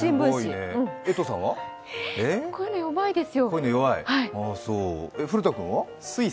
こういうの弱いんですよ。